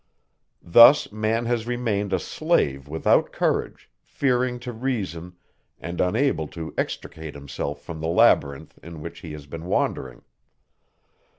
Thus, man has remained a slave without courage, fearing to reason, and unable to extricate himself from the labyrinth, in which he has been wandering.